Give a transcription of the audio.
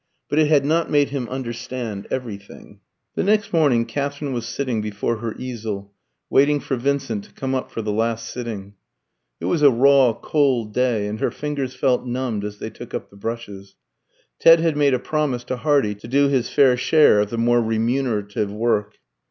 But it had not made him understand everything. The next morning Katherine was sitting before her easel, waiting for Vincent to come up for the last sitting. It was a raw, cold day, and her fingers felt numbed as they took up the brushes. Ted had made a promise to Hardy to do his fair share of the more remunerative work.